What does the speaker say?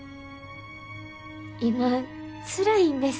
今つらいんです。